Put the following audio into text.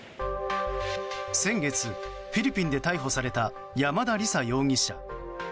先月、フィリピンで逮捕された山田李沙容疑者。